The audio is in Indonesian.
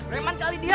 reman kali dia